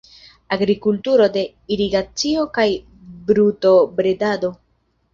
Agrikulturo de irigacio kaj brutobredado.